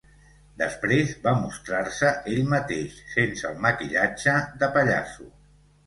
Després va mostrar-se ell mateix, sense el maquillatge de pallasso.